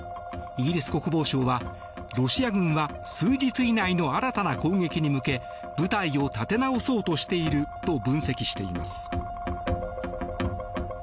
イギリス国防省は、ロシア軍は数日以内の新たな攻撃に向け部隊を立て直そうとしていると分析しています。